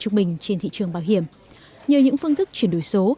trung bình trên thị trường bảo hiểm nhờ những phương thức chuyển đổi số